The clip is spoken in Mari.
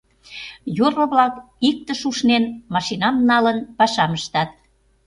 Йорло-влак, иктыш ушнен, машинам налын, пашам ыштат.